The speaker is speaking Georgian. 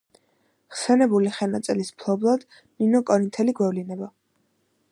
ხსენებული ხელნაწერის მფლობელად ნინო კორინთელი გვევლინება.